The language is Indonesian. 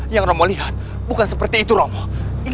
yang rompong lihat bukan seperti itu rompong